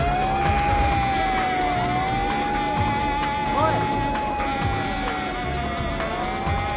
おい！